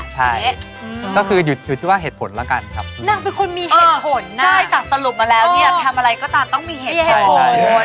จากสรุปมาแล้วเนี่ยทำอะไรก็ตามต้องมีเหตุผล